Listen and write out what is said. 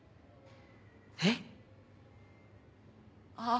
えっあぁ。